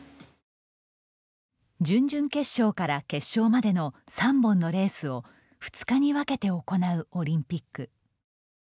準々決勝から決勝までの３本のレースを２日に分けて行うオリンピック。